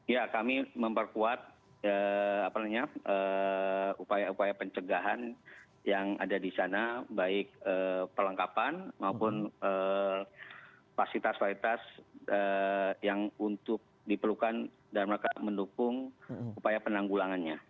ya kami memperkuat eee apa namanya eee upaya upaya pencegahan yang ada di sana baik eee pelengkapan maupun eee fasilitas fasilitas eee yang untuk diperlukan dan mereka mendukung upaya penanggulangannya